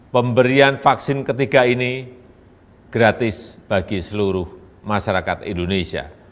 pemberian vaksin ketiga ini gratis bagi seluruh masyarakat indonesia